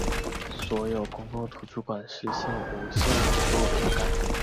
所有公共图书馆实现无线网络覆盖。